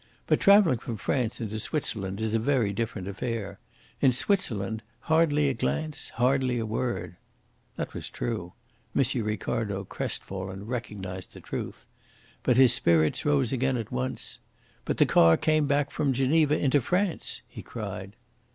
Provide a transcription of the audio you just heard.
But travelling from France into Switzerland is a very different affair. In Switzerland, hardly a glance, hardly a word." That was true. M. Ricardo crestfallen recognized the truth. But his spirits rose again at once. "But the car came back from Geneva into France!" he cried.